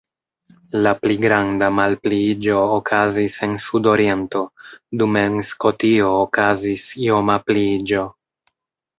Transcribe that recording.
La pli granda malpliiĝo okazis en sudoriento, dum en Skotio okazis ioma pliiĝo.